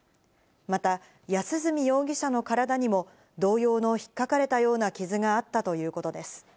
また、安栖容疑者の体にも同様の引っかかれたような傷があったということです。